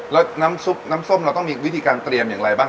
แล้วน้ำซุปน้ำส้มเราต้องมีวิธีการเตรียมอย่างไรบ้าง